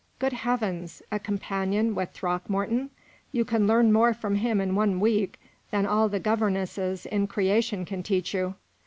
Good heavens! a companion, with Throckmorton? You can learn more from him in one week than all the governesses in creation can teach you."